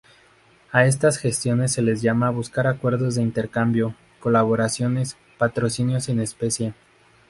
A estas gestiones se les llama buscar acuerdos de intercambio, colaboraciones, patrocinios en especie.